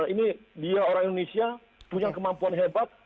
ini dia orang indonesia punya kemampuan hebat